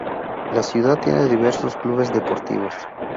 La ciudad tiene diversos clubes deportivos.